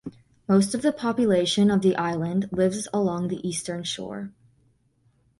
Most of the population of the island lives along the eastern shore.